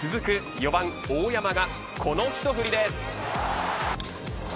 ４番大山がこの一振りです。